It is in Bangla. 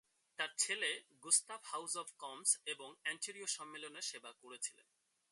তার ছেলে গুস্তাভ হাউস অফ কমন্স এবং অন্টারিও সম্মেলনে সেবা করেছিলেন।